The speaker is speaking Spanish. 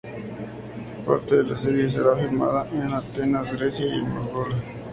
Parte de la serie será filmada en Atenas, Grecia y en Melbourne.